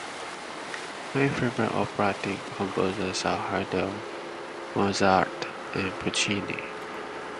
My favourite operatic composers are Handel, Mozart and Puccini